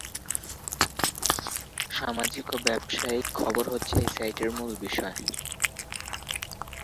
সামাজিক ও ব্যবসায়িক খবর হচ্ছে এই সাইটের মূল বিষয়।